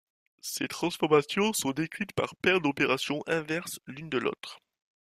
Ces transformations sont décrites par paire d'opérations inverses l'une de l'autre.